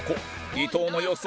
伊藤の予想